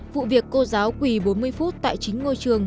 vụ việc cô giáo quỳ bốn mươi phút tại chính ngôi trường